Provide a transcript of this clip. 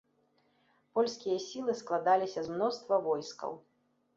Польскія сілы складаліся з мноства войскаў.